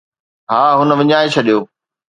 ها، هن وڃائي ڇڏيو